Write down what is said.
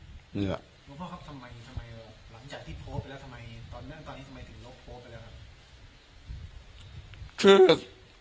หลวงพ่อครับทำไมทำไมหลังจากที่โพสต์ไปแล้วทำไมตอนเรื่องตอนนี้ทำไมถึงลบโพสต์ไปแล้วครับ